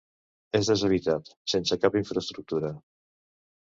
És deshabitat, sense cap infraestructura.